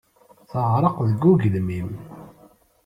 Teɣreq deg ugelmim.